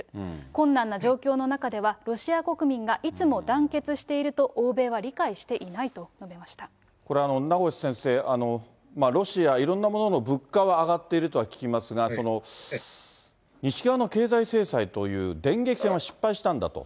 困難な状況の中では、ロシア国民がいつも団結していると欧米は理解していないと述べまこれ、名越先生、ロシア、いろんなものの物価は上がっているとは聞きますが、西側の経済制裁という、電撃戦は失敗したんだと。